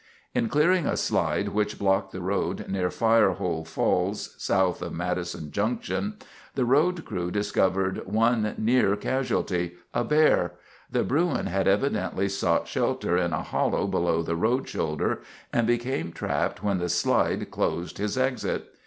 In clearing a slide which blocked the road near Firehole Falls, south of Madison Junction, the road crew discovered one near casualty—a bear. The bruin had evidently sought shelter in a hollow below the road shoulder, and became trapped when the slide closed his exit.